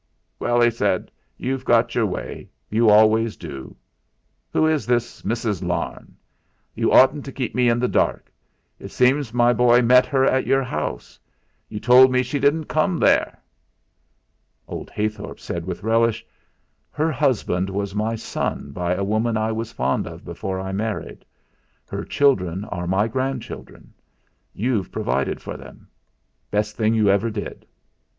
"Well," he said, "you've got your way; you always do. Who is this Mrs. Larne? You oughtn't to keep me in the dark. It seems my boy met her at your house. You told me she didn't come there." Old Heythorp said with relish: "Her husband was my son by a woman I was fond of before I married; her children are my grandchildren. You've provided for them. Best thing you ever did."